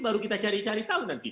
baru kita cari cari tahu nanti